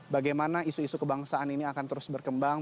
bagaimana isu isu kebangsaan ini akan terus berkembang